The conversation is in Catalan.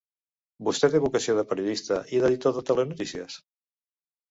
Vostè té vocació de periodista i d’editor de telenotícies?